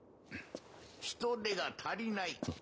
人手が足りない。